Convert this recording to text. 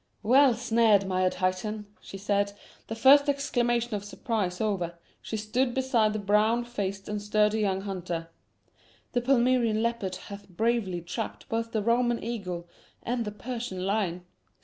"Well snared, my Odhainat," she said, as, the first exclamation of surprise over, she stood beside the brown faced and sturdy young hunter. "The Palmyrean leopard hath bravely trapped both the Roman eagle and the Persian lion.